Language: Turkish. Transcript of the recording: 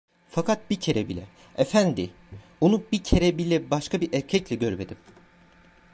Fakat bir kere bile, efendi, onu bir kere bile başka bir erkekle görmedim.